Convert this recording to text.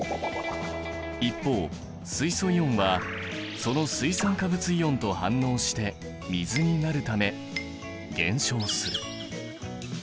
一方水素イオンはその水酸化物イオンと反応して水になるため減少する。